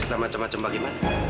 cerita macam macam bagaimana